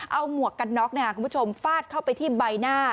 เอาหมวกกันน็อกคุณผู้ชมฟาดเข้าไปที่ใบหน้า